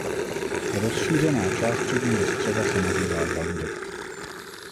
Rozšířená část předního střeva se nazývá žaludek.